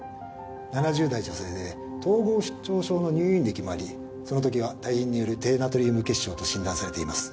７０代女性で統合失調症の入院歴もありその時は多飲による低ナトリウム血症と診断されています。